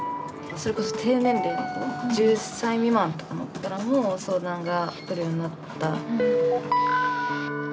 それこそ低年齢の子１０歳未満とかの子からも相談が来るようになった。